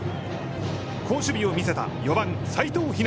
好守備を見せた、４番斎藤陽。